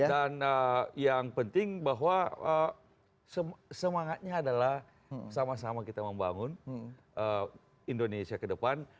dan yang penting bahwa semangatnya adalah sama sama kita membangun indonesia ke depan